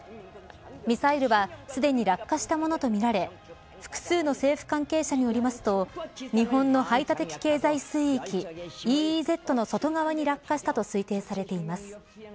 ミサイルはすでに落下したものとみられ複数の政府関係者によりますと日本の排他的経済水域ＥＥＺの外側に落下したと推定されています。